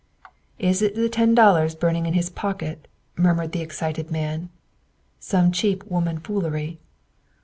"Is it the ten dollars burning in his pocket?" murmured the excited man. "Some cheap woman foolery?"